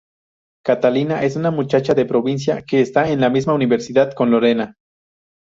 Catalina es una muchacha de provincia que está en la misma universidad con Lorenza.